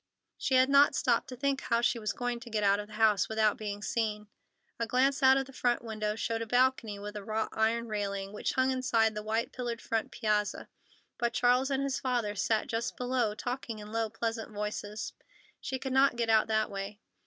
She had not stopped to think how she was going to get out of the house without being seen. A glance out of the front window showed a balcony with a wrought iron railing, which hung inside the white pillared front piazza, but Charles and his father sat just below, talking in low, pleasant voices. She could not get out that way.